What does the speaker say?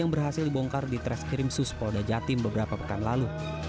nela juga mengaku tidak pernah menggunakan produk kecantikan dsc beauty